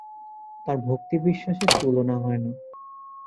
তাঁর ভক্তিবিশ্বাসের তুলনা হয় না।